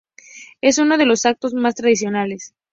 Es uno de los actos más tradicionales.